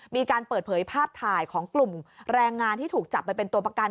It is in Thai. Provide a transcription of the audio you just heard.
มีการเปิดเผยภาพถ่ายของกลุ่มแรงงานที่ถูกจับไปเป็นตัวประกัน